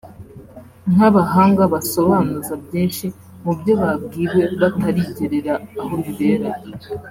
nk’abahanga basobanuza byinshi mu byo babwiwe batarigerera aho bibera